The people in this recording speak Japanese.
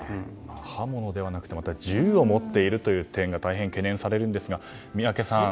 刃物ではなくて銃を持っているという点が大変懸念されるんですが宮家さん